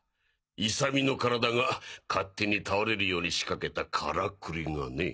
勇美の体が勝手に倒れるように仕掛けたカラクリがね。